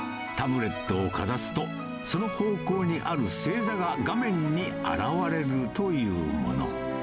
タブレットをかざすと、その方向にある星座が画面に現れるというもの。